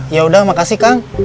yaudah makasih kang